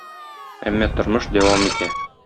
Әмма тормыш дәвам итә.